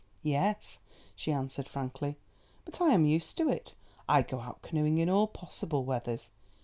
"Yes," she answered frankly, "but I am used to it; I go out canoeing in all possible weathers.